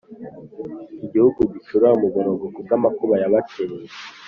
Igihugu gicura umuborogo kubwamakuba yabateye